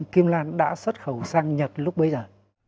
kim lan đã xuất khẩu sang nhật lúc bấy giờ